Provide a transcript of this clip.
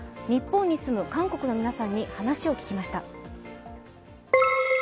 日本に住む韓国の皆さんに話を聞きました。